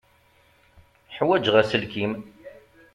Ḥwaǧeɣ aselkim.